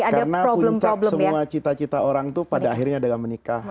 karena puncak semua cita cita orang itu pada akhirnya adalah menikah